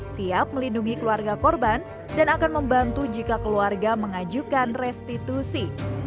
siap melindungi keluarga korban dan akan membantu jika keluarga mengajukan restitusi